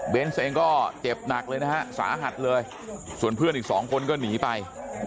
เองก็เจ็บหนักเลยนะฮะสาหัสเลยส่วนเพื่อนอีกสองคนก็หนีไป